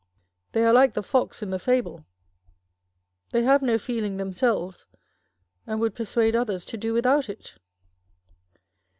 They are like the fox in the fable â€" they have no feeling themselves, and would persuade others to do without it.